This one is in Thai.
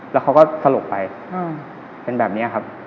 แล้วเขาก็สลบไปเป็นแบบนี้ครับ